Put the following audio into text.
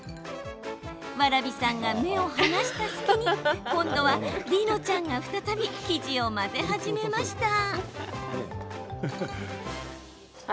蕨さんが目を離した隙に今度は璃乃ちゃんが再び生地を混ぜ始めました。